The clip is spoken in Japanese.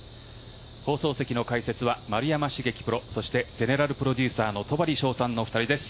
放送席の解説は丸山茂樹プロそしてゼネラルプロデューサーの戸張捷さんのお二人です。